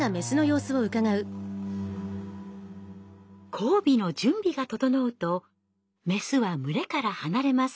交尾の準備が整うとメスは群れから離れます。